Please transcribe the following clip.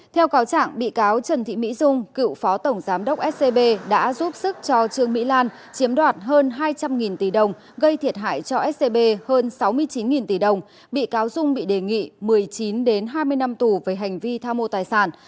theo cáo trạng bị cáo trần thị mỹ dung cựu phó tổng giám đốc scb đã giúp sức cho trương mỹ lan chiếm đoạt hơn hai trăm linh tỷ đồng gây thiệt hại cho scb hơn sáu mươi chín tỷ đồng bị cáo dung bị đề nghị một mươi chín hai mươi năm tù về hành vi tham mô tài sản